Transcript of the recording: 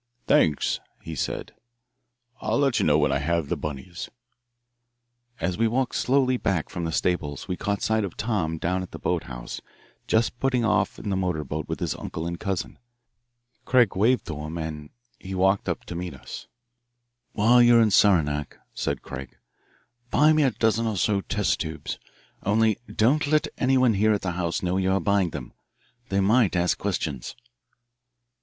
"Thanks," he said. "I'll let you know when I have the bunnies." As we walked slowly back from the stables we caught sight of Tom down at the boat house just putting off in the motor boat with his uncle and cousin. Craig waved to him, and he walked up to meet us. "While you're in Saranac," said Craig, "buy me a dozen or so test tubes. Only, don't let anyone here at the house know you are buying them. They might ask questions."